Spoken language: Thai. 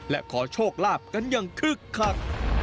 และขอโชคลาภกันอย่างคึกคัก